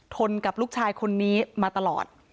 กับลูกชายคนนี้มาตลอด